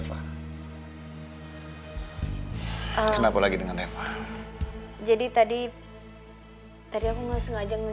ada yang pengen aku omongin